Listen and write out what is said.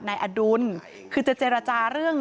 อดุลคือจะเจรจาเรื่อง